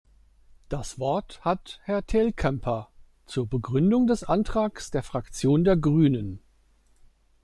Das Wort hat Herr Telkämper zur Begründung des Antrags der Fraktion der Grünen.